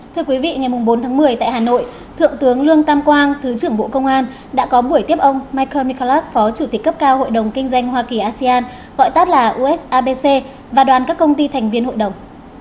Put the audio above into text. thưa quý vị ngày bốn tháng một mươi tại hà nội thượng tướng lương tam quang thứ trưởng bộ công an đã có buổi tiếp ông michael miclat phó chủ tịch cấp cao hội đồng kinh doanh hoa kỳ asean gọi tắt là us abc và đoàn các công ty thành viên hội đồng